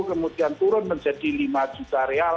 kemudian turun menjadi lima juta real